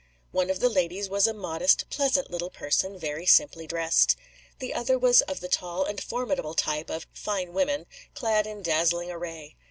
One of the ladies was a modest, pleasant little person, very simply dressed. The other was of the tall and formidable type of "fine women," clad in dazzling array.